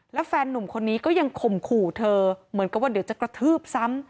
แล้วแฟนนุ่มคนนี้ก็ยังข่มขู่เธอเหมือนกับว่าเดี๋ยวจะกระทืบซ้ำ